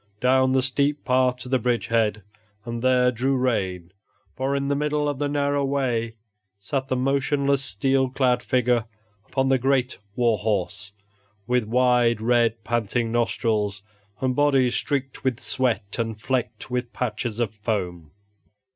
Down the steep path to the bridge head and there drew rein; for in the middle of the narrow way sat the motionless, steel clad figure upon the great war horse, with wide, red, panting nostrils, and body streaked with sweat and flecked with patches of foam.